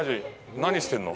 何してんの？